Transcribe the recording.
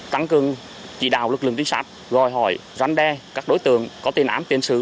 tăng cường chỉ đạo lực lượng tính sát gọi hỏi rắn đe các đối tượng có tiền ám tiền sự